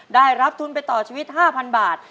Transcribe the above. ได้รับทุนไปต่อชีวิต๕๐๐๐บาท